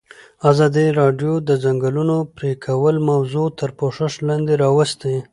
ازادي راډیو د د ځنګلونو پرېکول موضوع تر پوښښ لاندې راوستې.